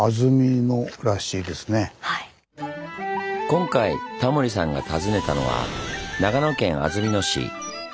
今回タモリさんが訪ねたのは長野県安曇野市。